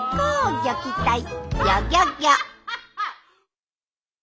ギョギョギョ！